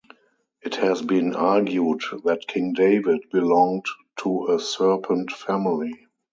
It has been argued that King David belonged to a serpent family.